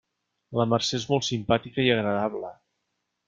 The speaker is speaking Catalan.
La Mercè és molt simpàtica i agradable.